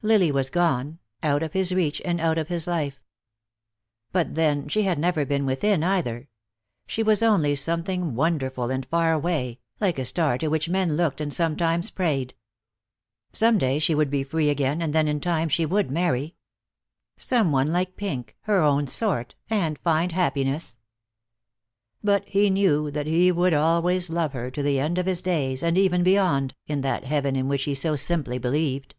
Lily was gone, out of his reach and out of his life. But then she had never been within either. She was only something wonderful and far away, like a star to which men looked and sometimes prayed. Some day she would be free again, and then in time she would marry. Some one like Pink, her own sort, and find happiness. But he knew that he would always love her, to the end of his days, and even beyond, in that heaven in which he so simply believed.